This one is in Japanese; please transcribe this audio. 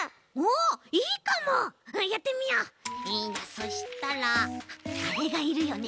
そしたらあれがいるよね。